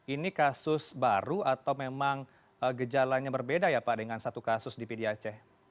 ini kasus baru atau memang gejalanya berbeda ya pak dengan satu kasus di pdac